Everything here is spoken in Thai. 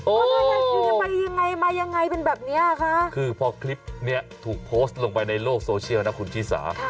โอ้มายังไงมายังไงเป็นแบบเนี้ยคะคือพอคลิปเนี้ยถูกโพสตลงไปในโลกโซเชียลนะคุณศิษย์สา